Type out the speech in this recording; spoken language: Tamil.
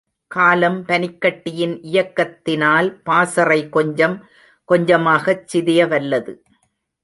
காலம் பனிக்கட்டியின் இயக்கத்தினால் பாசறை கொஞ்சம் கொஞ்சமாகச் சிதையவல்லது.